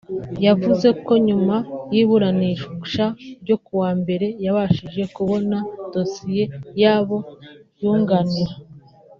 yavuze ko nyuma y’iburanisha ryo kuwa mbere yabashije kubona dosiye y’abo yunganira